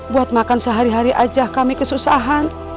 buat makan sehari hari aja kami kesusahan